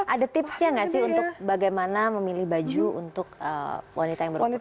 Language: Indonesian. ada tipsnya nggak sih untuk bagaimana memilih baju untuk wanita yang berumur